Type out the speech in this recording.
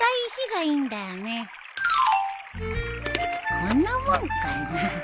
こんなもんかな？